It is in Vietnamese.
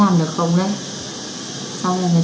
làm được thế nào với đáu hay không